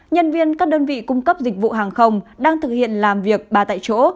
nhân viên các đơn vị cung cấp dịch vụ hàng không đang thực hiện làm việc ba tại chỗ